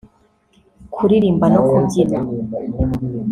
kuririmba no kubyina